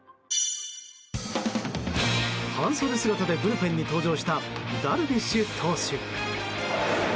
半袖姿でブルペンに登場したダルビッシュ投手。